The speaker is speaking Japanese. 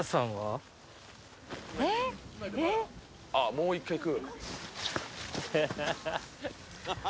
もう１回いく？